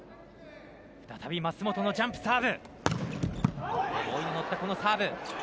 再び舛本のジャンプサーブ。